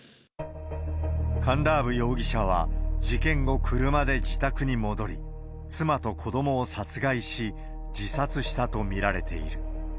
カンラーブ容疑者は事件後、車で自宅に戻り、妻と子どもを殺害し、自殺したと見られている。